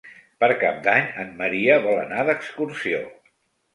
Per Cap d'Any en Maria vol anar d'excursió.